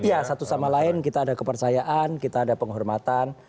ya satu sama lain kita ada kepercayaan kita ada penghormatan